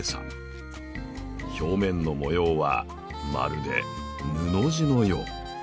表面の模様はまるで布地のよう。